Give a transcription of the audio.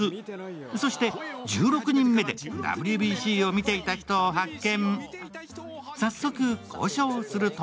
そして、１６人目でＷＢＣを見ていた人を発見。